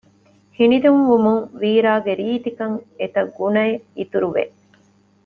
ހިނިތުންވުމުން ވީރާގެ ރީތިކަން އެތަށްގުނައެއް އިތުރުވެ